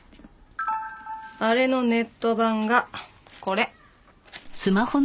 あれのネット版がこれ。